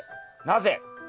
なぜ？